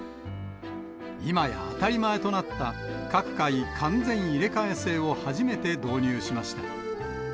今や当たり前となった各回完全入れ替え制を初めて導入しました。